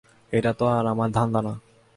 এটা তো আর আমার ধান্দা না।